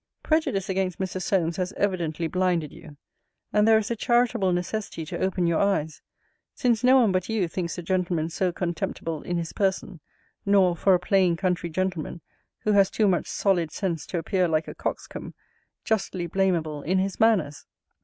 Prejudice against Mr. Solmes has evidently blinded you, and there is a charitable necessity to open your eyes: since no one but you thinks the gentleman so contemptible in his person; nor, for a plain country gentleman, who has too much solid sense to appear like a coxcomb, justly blamable in his manners.